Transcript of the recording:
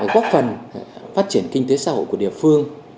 góp phần phát triển kinh tế xã hội của địa phương